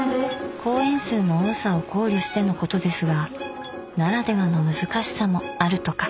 公演数の多さを考慮してのことですがならではの「難しさ」もあるとか。